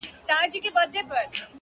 پاس توتكۍ راپسي مه ږغـوه،